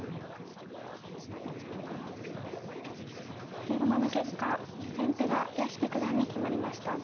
振り駒の結果先手が屋敷九段に決まりました。